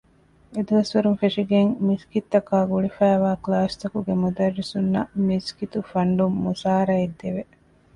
އެދުވަސްވަރުން ފެށިގެން މިސްކިތްތަކާ ގުޅިފައިވާ ކްލާސްތަކުގެ މުދައްރިސުންނަށް މިސްކިތު ފަންޑުން މުސާރައެއް ދެވެ